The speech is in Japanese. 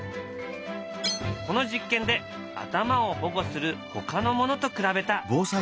この実験で頭を保護する他のものと比べた。